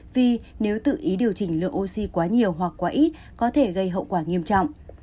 vì nếu tự ý điều chỉnh lượng oxy quá nhiều hoặc quá ít có thể gây hậu quả nghiêm trọng